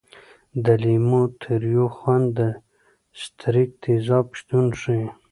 د لیمو تریو خوند د ستریک تیزاب شتون ښيي.